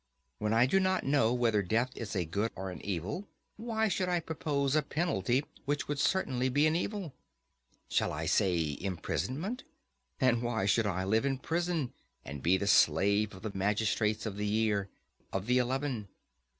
When I do not know whether death is a good or an evil, why should I propose a penalty which would certainly be an evil? Shall I say imprisonment? And why should I live in prison, and be the slave of the magistrates of the year—of the Eleven?